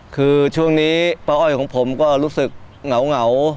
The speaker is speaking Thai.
คือช่วงนี้ป้าอ้อยของผมก็รู้สึกเหงา